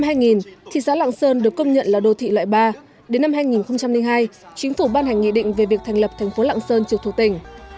năm hai nghìn thị xã lạng sơn được công nhận là đô thị loại ba đến năm hai nghìn hai chính phủ ban hành nghị định về việc thành lập thành phố lạng sơn trực thuộc tỉnh